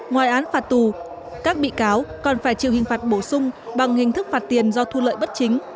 ngoài án phạt tù các bị cáo còn phải chịu hình phạt bổ sung bằng hình thức phạt tiền do thu lợi bất chính